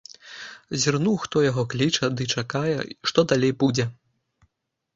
Зірнуў, хто яго кліча, ды чакае, што далей будзе.